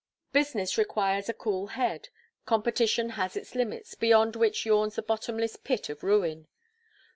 Business requires a cool head; competition has its limits, beyond which yawns the bottomless pit of ruin.